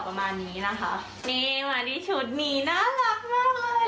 ประมาณนี้นะคะนี่มาที่ชุดนี้น่ารักมากเลย